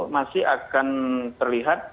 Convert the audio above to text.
masih akan terlihat